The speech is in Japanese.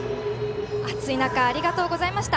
暑い中ありがとうございました。